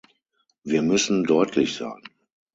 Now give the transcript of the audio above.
Wir müssen deutlich sein.